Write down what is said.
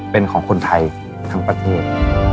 เป็นของคนไทยทั้งประเทศ